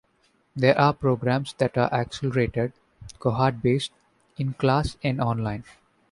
There are programs that are accelerated, cohort-based, in-class, and online.